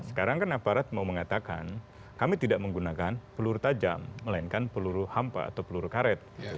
sekarang kan aparat mau mengatakan kami tidak menggunakan peluru tajam melainkan peluru hampa atau peluru karet